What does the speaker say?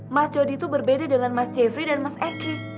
mas jody itu berbeda dengan mas jeffrey dan mas eki